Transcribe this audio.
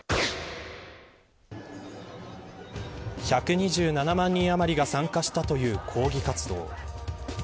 １２７万人余りが参加したという抗議活動。